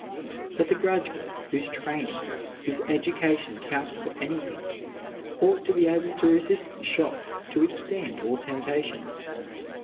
But the graduate whose training, whose education counts for anything ought to be able to resist the shock, to withstand all temptations.